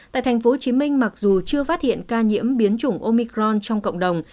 tại tp hcm mặc dù chưa phát hiện ca nhiễm biến chủng omicron trong cộng đồng